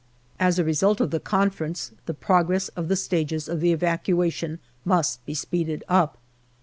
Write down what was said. As a result of the conference, the progress of the stages of the evacuation must be speeded up.